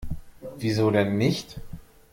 Wieso denn nicht?